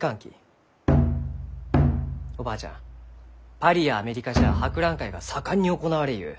パリやアメリカじゃ博覧会が盛んに行われゆう。